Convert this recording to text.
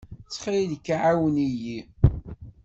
Ttxil-k, ɛawen-iyi!